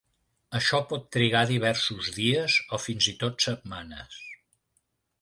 Això pot trigar diversos dies o fins i tot setmanes.